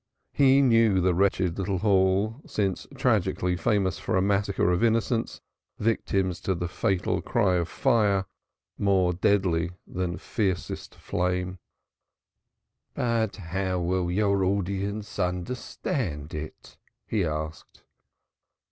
He knew the wretched little hall, since tragically famous for a massacre of innocents, victims to the fatal cry of fire more deadly than fiercest flame. "But how will your audience understand it?" he asked.